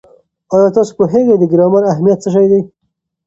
ایا تاسې پوهېږئ د ګرامر اهمیت څه دی؟